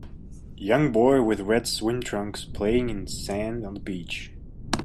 Young boy with red swim trunks playing in sand on the beach.